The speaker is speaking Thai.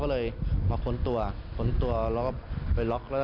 ก็เลยมาค้นตัวค้นตัวแล้วก็ไปล็อกแล้ว